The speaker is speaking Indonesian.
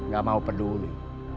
gak mau peduli